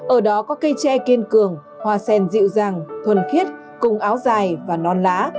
ở đó có cây tre kiên cường hoa sen dịu dàng thuần khiết cùng áo dài và non lá